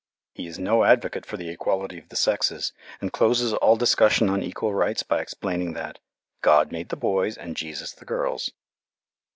He is no advocate for the equality of the sexes, and closes all discussion on equal rights by explaining that "God made the boys and Jesus the girls."